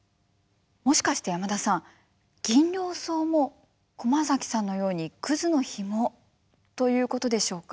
もしかして山田さんギンリョウソウも駒崎さんのようにクズのヒモということでしょうか？